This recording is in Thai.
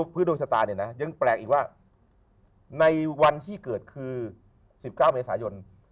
พื้นดวงศตายังแปลกอีกว่าในวันที่เกิดคือ๑๙เมษายน